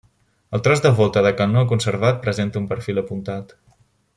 El tros de volta de canó conservat presenta un perfil apuntat.